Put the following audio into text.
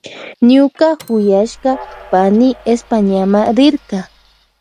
Ñuka kuyashka pani Españama rirka.